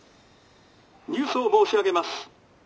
「ニュースを申し上げます。